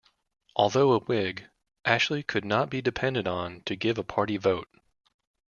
Although a Whig, Ashley could not be depended on to give a party vote.